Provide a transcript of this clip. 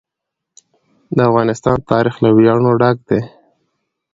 د افغانستان تاریخ له ویاړونو ډک دی.